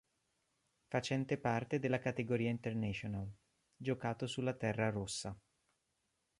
Facente parte della categoria International, giocato sulla terra rossa.